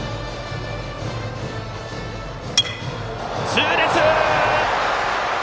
痛烈！